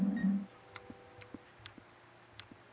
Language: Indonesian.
kau juga asteria